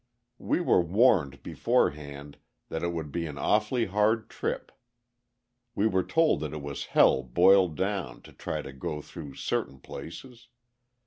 We were warned beforehand that it would be "an awfully hard trip." We were told that it was "hell boiled down" to try to go through certain places.